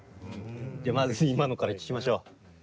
じゃあまず今のから聞きましょう。